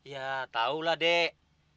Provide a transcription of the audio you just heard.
ya tahulah dek